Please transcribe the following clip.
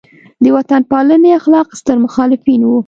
د وطن پالنې اخلاق ستر محافظین وو.